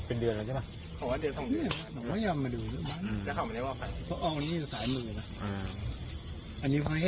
เป็นเดือนแล้วใช่ป่ะอ๋อมีเป็นเดือนแล้วใช่ป่ะ